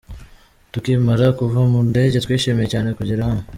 Tukimara kuva mu ndege twishimiye cyane kugera hano.